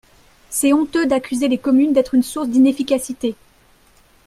C’est honteux d’accuser les communes d’être une source d’inefficacité.